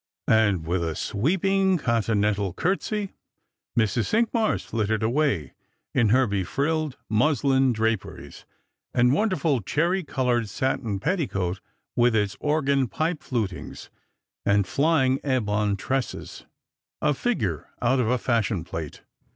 And with a sweeping continental curtsey, Mrs. Cinqmars flitted away in her befnlleJ muslin draperies, and wonderful cherry coloured satin petticoat with its organ pi |)e flutings, and tiying ebon tresses — a figure out of a fashion plate.